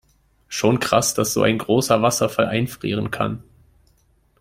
Schon krass, dass so ein großer Wasserfall einfrieren kann.